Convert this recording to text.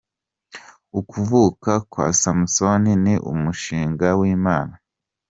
Ukuvuka kwa Samusoni ni umushinga w’Imana.